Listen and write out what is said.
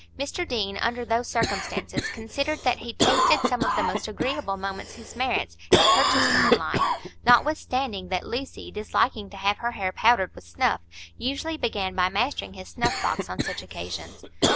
Mr Deane, under those circumstances, considered that he tasted some of the most agreeable moments his merits had purchased him in life, notwithstanding that Lucy, disliking to have her hair powdered with snuff, usually began by mastering his snuff box on such occasions.